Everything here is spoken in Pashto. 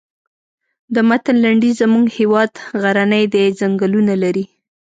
د متن لنډیز زموږ هېواد غرنی دی ځنګلونه لري.